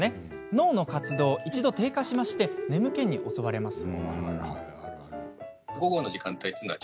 脳の活動は一度、低下して眠気に襲われます。